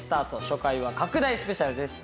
初回は拡大スペシャルです。